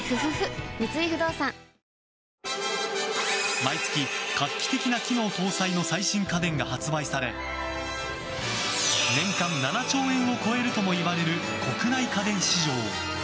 毎月、画期的な機能搭載の最新家電が発売され年間７兆円を超えるともいわれる国内家電市場。